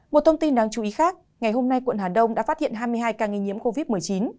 một thông tin đáng chú ý khác ngày hôm nay quận hà đông đã phát hiện hai mươi hai ca nghi nhiễm covid một mươi chín